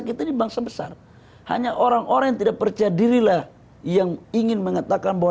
kita di bangsa besar hanya orang orang yang tidak percaya dirilah yang ingin mengatakan bahwa